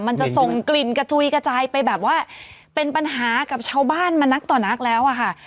มันจะส่งกลิ่นกระจุยกระจายไปแบบว่าเป็นปัญหากับชาวบ้านมานักต่อนักแล้วอะค่ะ